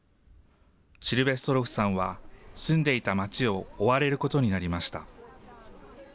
シルヴェストロフさんは、住んでいた町を追われることになりました。